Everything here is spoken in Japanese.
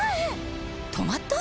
止まった？